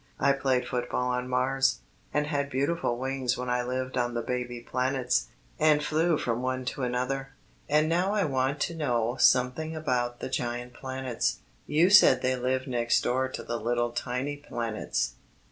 I played football on Mars, and had beautiful wings when I lived on the baby planets, and flew from one to another, and now I want to know something about the giant planets. You said they lived next door to the little tiny planets."